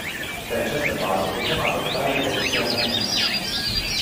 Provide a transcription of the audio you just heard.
Pe această bază putem adopta rezoluția comună.